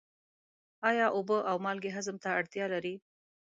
آیا اوبه او مالګې هضم ته اړتیا لري؟